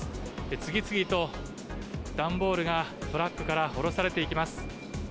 次々と段ボールがトラックから降ろされていきます。